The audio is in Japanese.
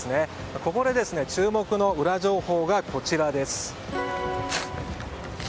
ここで注目のウラ情報がこちらです。